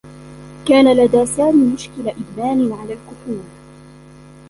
كان لدى سامي مشكل إدمان على الكحول.